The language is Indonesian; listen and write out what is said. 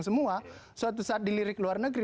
semua suatu saat di lirik luar negeri